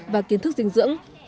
và kiến thức dinh dưỡng